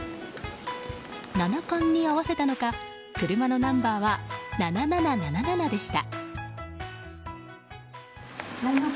七冠に合わせたのか車のナンバーは「７７７７」でした。